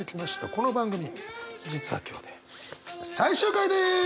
この番組実は今日で最終回です。